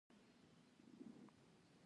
د تعمیراتي موادو بیې کنټرولیږي؟